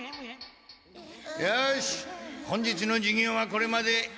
よし本日の授業はこれまで。